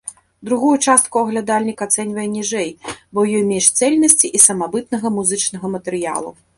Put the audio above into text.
Другую частку аглядальнік ацэньвае ніжэй, бо ў ёй менш цэльнасці і самабытнага музычнага матэрыялу.